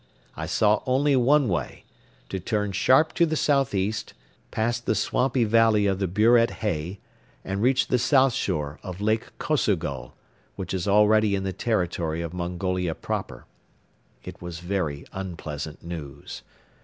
I saw only one way to turn sharp to the southeast, pass the swampy valley of the Buret Hei and reach the south shore of Lake Kosogol, which is already in the territory of Mongolia proper. It was very unpleasant news.